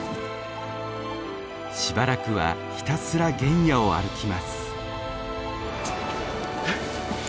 しばらくはひたすら原野を歩きます。